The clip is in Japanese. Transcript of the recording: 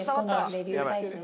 レビューサイトで。